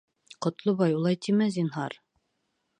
Ҡотлобай, улай тимә, зинһар...